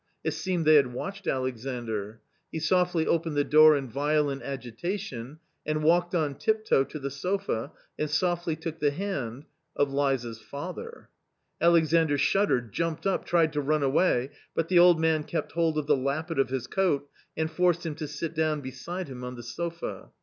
It seemed they had watched Alexandr. He softly opened the door in violent agitation and walked on tip toe to the sofa and softly took the hand — of Liza's father. Alexandr shuddered, jumped up, tried to run away, but the old man kept hold of the lappet of his coat and forced him to sit down beside him on the sofa.